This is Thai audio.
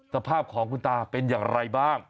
สภาพของคุณตาเป็นอย่างไรบ้าง